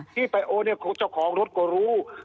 ที่ไปโอนเนี่ยเจ้าของรถก็รู้